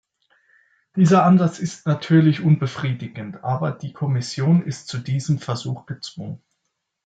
Dieser Ansatz ist natürlich unbefriedigend, aber die Kommission ist zu diesem Versuch gezwungen.